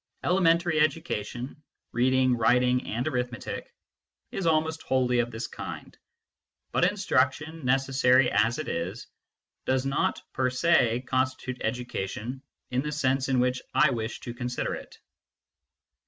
Elementary education reading, writing, and arithmetic is almost wholly of this kind. But instruction, necessary as it is, does not per se constitute education in the sense in which I wish to consider it.